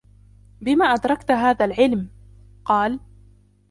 بِمَ أَدْرَكْت هَذَا الْعِلْمَ ؟ قَالَ